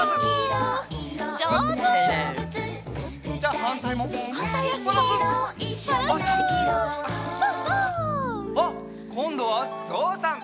あっこんどはぞうさん！